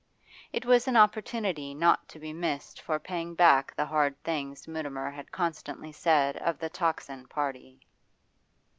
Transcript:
It was an opportunity not to be missed for paying back the hard things Mutimer had constantly said of the 'Tocsin' party.